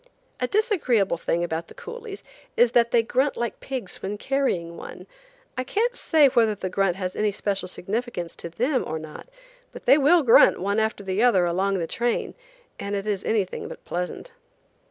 A disagreeable thing about the coolies is that they grunt like pigs when carrying one. I can't say whether the grunt has any special significance to them or not, but they will grunt one after the other along the train, and it is anything but pleasant.